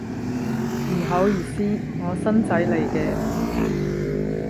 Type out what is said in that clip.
唔好意思，我新仔嚟嘅